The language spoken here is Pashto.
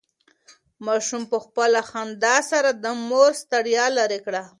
ماشوم په خپله خندا سره د مور ستړیا لرې کړه.